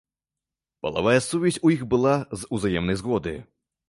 Палавая сувязь у іх была з узаемнай згоды.